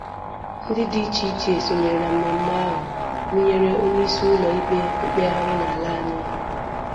Ndị dị iche iche sonyere na mmemme ahụ gụnyèrè onyeisi ụlọ ikpe mkpegharị n'ala anyị